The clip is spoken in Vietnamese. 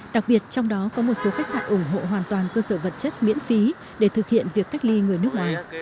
đặc biệt trong đó có một số khách sạn ủng hộ hoàn toàn cơ sở vật chất miễn phí để thực hiện việc cách ly người nước ngoài